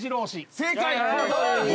正解。